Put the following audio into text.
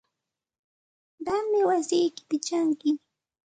Qammi wasiyki pichanki.